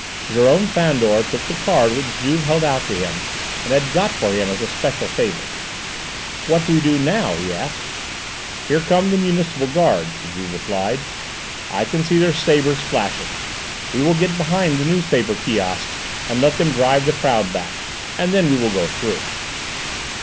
Jérôme Fandor took the card which Juve held out to him, and had got for him as a special favour. "What do we do now?" he asked. "Here come the municipal guards," Juve replied; "I can see their sabres flashing. We will get behind the newspaper kiosks and let them drive the crowd back, and then we will go through."